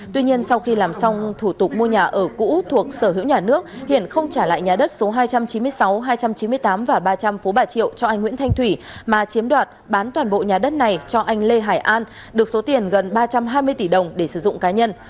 tuy nhiên sau khi làm xong thủ tục mua nhà ở cũ thuộc sở hữu nhà nước hiện không trả lại nhà đất số hai trăm chín mươi sáu hai trăm chín mươi tám và ba trăm linh phố bà triệu cho anh nguyễn thanh thủy mà chiếm đoạt bán toàn bộ nhà đất này cho anh lê hải an được số tiền gần ba trăm hai mươi tỷ đồng để sử dụng cá nhân